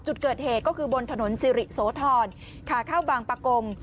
จุดเกิดเหตุก็คือบนถนนสิริโสธรขาเข้าบางประกง